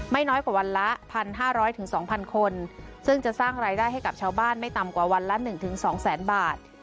ไม่น้อยกว่าวันละพันห้าร้อยถึงสองพันคนซึ่งจะสร้างรายได้ให้กับชาวบ้านไม่ต่ำกว่าวันละหนึ่งถึงสองแสนบาท